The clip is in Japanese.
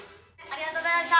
ありがとうございます！